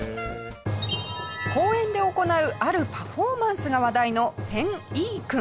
公園で行うあるパフォーマンスが話題のフェン・イー君。